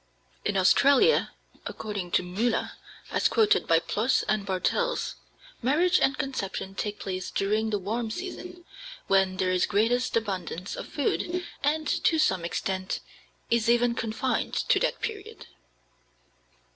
In Australia, according to Müller as quoted by Ploss and Bartels, marriage and conception take place during the warm season, when there is greatest abundance of food, and to some extent is even confined to that period.